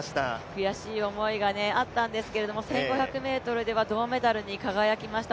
悔しい思いがあったんですけれども、１５００ｍでは銅メダルに輝きました、